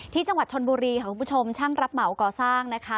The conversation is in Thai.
ที่จังหวัดชนบุรีค่ะคุณผู้ชมช่างรับเหมาก่อสร้างนะคะ